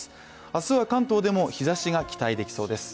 明日は関東でも日ざしが期待できそうです。